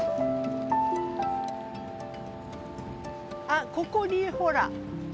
あっここにほら。